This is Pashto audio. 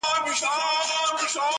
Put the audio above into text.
که نه نو ولي بيا جواب راکوي~